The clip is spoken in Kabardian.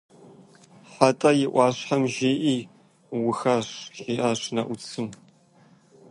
«Хьэтӏэ и ӏуащхьэм жыӏи, уухащ», – жиӏащ Нэӏуцым.